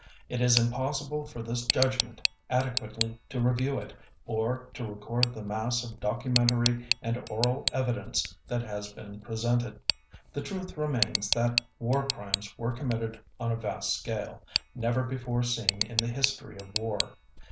It is impossible for this Judgment adequately to review it, or to record the mass of documentary and oral evidence that has been presented. The truth remains that War Crimes were committed on a vast scale, never before seen in the history of war.